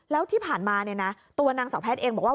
แล้วที่ผ่านมาเนี่ยนะตัวนางสาวแพทย์เองบอกว่า